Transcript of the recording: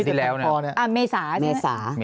ปี๖๓ใช่ครับ